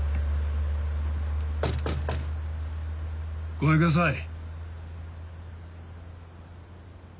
ごめんください。